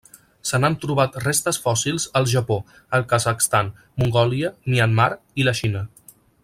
Se n'han trobat restes fòssils al Japó, el Kazakhstan, Mongòlia, Myanmar i la Xina.